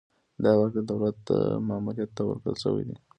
دا واک د دولت مامور ته ورکړل شوی دی.